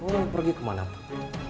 lo pergi kemana pak